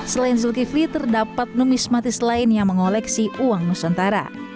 selain zulkifli terdapat numismatis lain yang mengoleksi uang nusantara